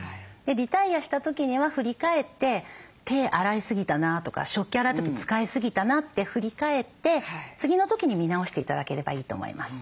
リタイアした時には振り返って「手洗いすぎたな」とか「食器洗う時使いすぎたな」って振り返って次の時に見直して頂ければいいと思います。